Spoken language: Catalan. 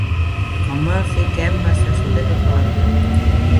Com Murphy, Kemp va ser solter tota la vida.